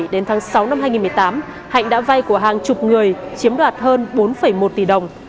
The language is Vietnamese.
đến tháng sáu năm hai nghìn một mươi tám hạnh đã vay của hàng chục người chiếm đoạt hơn bốn một tỷ đồng